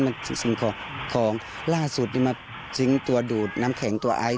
มันสิ้นของร่าสุดมาทิ้งตัวดูดน้ำแข็งตัวไอศ์